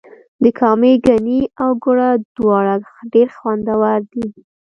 د کامې ګني او ګوړه دواړه ډیر خوندور دي.